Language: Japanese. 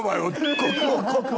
国王国王！